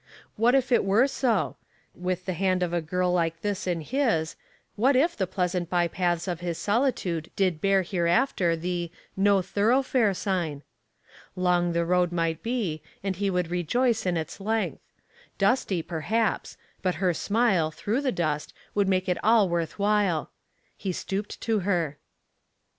What if it were so? With the hand of a girl like this in his, what if the pleasant by paths of his solitude did bear hereafter the "No Thoroughfare" sign? Long the road might be, and he would rejoice in its length; dusty perhaps, but her smile through the dust would make it all worth while. He stooped to her.